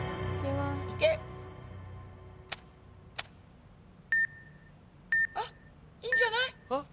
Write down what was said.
いけ！あっいいんじゃない？あっ。